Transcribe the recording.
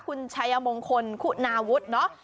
คุณชายมงคลคุณาวุฒิเนาะ